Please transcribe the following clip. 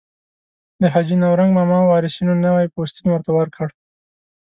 د حاجي نورنګ ماما وارثینو نوی پوستین ورته ورکړ.